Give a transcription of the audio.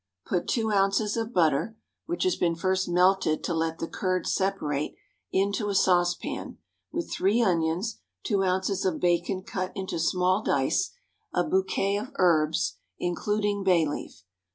Put two ounces of butter (which has been first melted to let the curd separate) into a saucepan, with three onions, two ounces of bacon cut into small dice, a bouquet of herbs (including bay leaf).